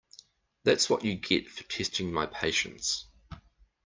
That’s what you get for testing my patience.